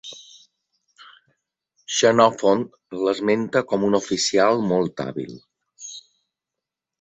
Xenofont l'esmenta com un oficial molt hàbil.